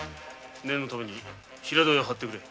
念のため平戸屋を張ってくれ。